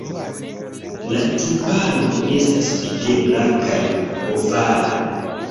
La timpano estas videbla kaj ovala.